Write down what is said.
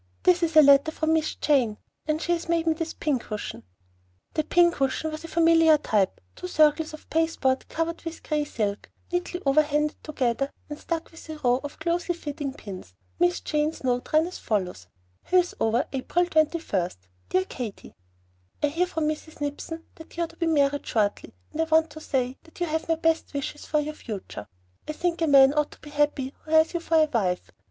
This is a letter from Miss Jane! And she has made me this pincushion!" The pincushion was of a familiar type, two circles of pasteboard covered with gray silk, neatly over handed together, and stuck with a row of closely fitting pins. Miss Jane's note ran as follows: HILLSOVER, April 21. DEAR KATY, I hear from Mrs. Nipson that you are to be married shortly, and I want to say that you have my best wishes for your future. I think a man ought to be happy who has you for a wife.